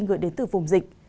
gửi đến từ vùng dịch